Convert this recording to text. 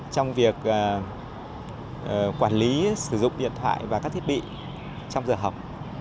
trong việc quản lý sử dụng điện thoại và các thiết bị trong giờ học